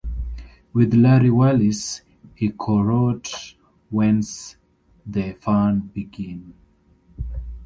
With Larry Wallis, he co-wrote When's the Fun Begin?